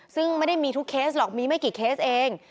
ซึ่งไม่ได้มีทุกเคสหรอกมีไม่กี่เคสเอง